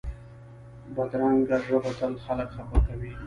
بدرنګه ژبه تل خلک خفه کوي